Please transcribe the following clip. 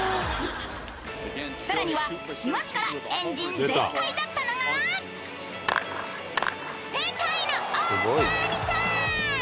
さらには４月からエンジン全開だったのが世界のオオタニサーン！